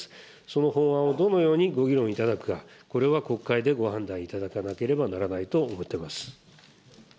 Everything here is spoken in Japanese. その法案をどのようにご議論いただくか、これは国会でご判断いただかなければならないと思っております。